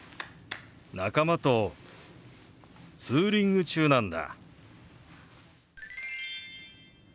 仲間とツーリング中なんだ。